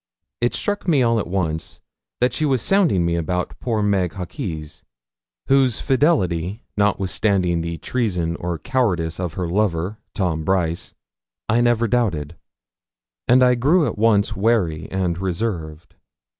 It struck me all at once that she was sounding me about poor Meg Hawkes, whose fidelity, notwithstanding the treason or cowardice of her lover, Tom Brice, I never doubted; and I grew at once wary and reserved.